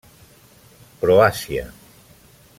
Croàcia.